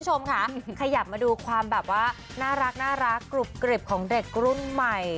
คุณผู้ชมค่ะขยับมาดูความแบบว่าน่ารักกรุบกริบของเด็กรุ่นใหม่